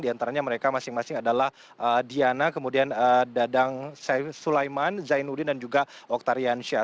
diantaranya mereka masing masing adalah diana kemudian dadang sulaiman zainuddin dan juga oktarian syah